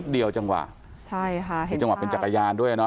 สิ่งฮะ